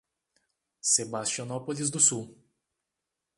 Sebastianópolis do Sul